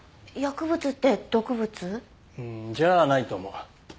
薬物って毒物？じゃないと思う。